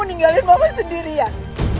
ninggalin mama sendirian